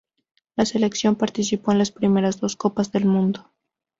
La selección participó en las primeras dos copas del mundo.